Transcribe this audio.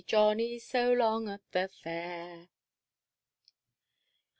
Johnny 's so long at the fair!"